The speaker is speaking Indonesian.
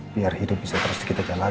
biar hidup bisa terus kita jalan